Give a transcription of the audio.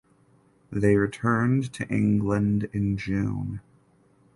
They returned to England in June.